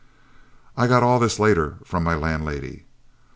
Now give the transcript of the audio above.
I got all this later from my landlady.